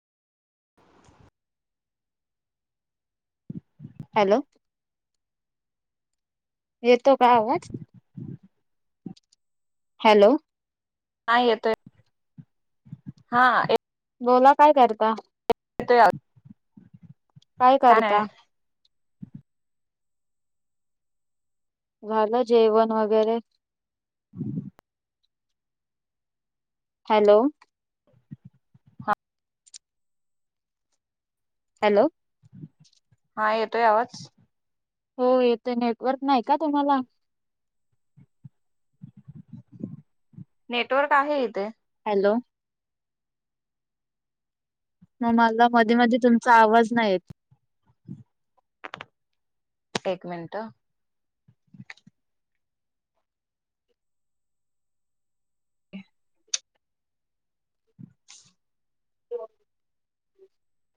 Hello येतोय का आवाज? हॅलो हा येतोय हां बोला काय करता? तया काय करता? झालं जेवण वगैरे. [inaudible] हॅलो हॅलो हा येतोय आवाज? हो येतोय नेटवर्क नाही का तुम्हाला? नेटवर्क आहे इथे. हॅलो नाहीं मला मधी मधी तुमचा आवाज नाहीे येत. एक मिनिटं